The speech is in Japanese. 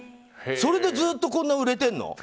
それでずっとこんなに売れてるの？